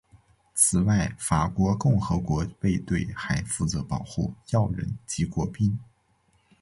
此外法国共和国卫队还负责保护要人及国宾。